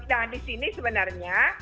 nah disini sebenarnya